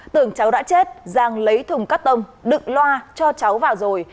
tưởng cháu đã chết giang lấy thùng cắt tông đựng loa cho cháu vào rồi